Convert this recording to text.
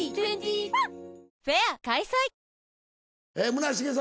村重さん